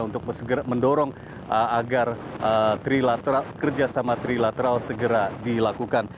untuk mendorong agar kerjasama trilateral segera dilakukan